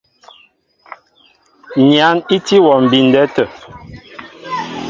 Nyǎn í tí wɔ mbindɛ tə̂.